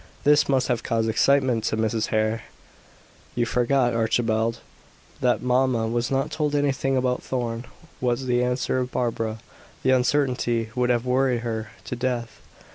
"This must have caused excitement to Mrs. Hare." "You forget, Archibald, that mamma was not told anything about Thorn," was the answer of Barbara. "The uncertainty would have worried her to death.